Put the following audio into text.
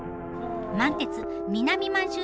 満鉄南満州